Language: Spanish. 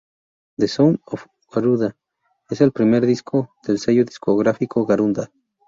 The Sound Of Garuda es el primer disco del sello discográfico Garuda.